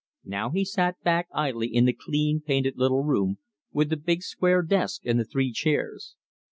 Now he sat back idly in the clean painted little room with the big square desk and the three chairs.